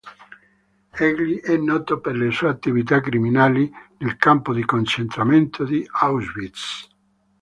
Egli è noto per le sue attività criminali nel campo di concentramento di Auschwitz.